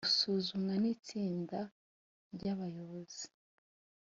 gusuzumwa n itsinda ry abayobozi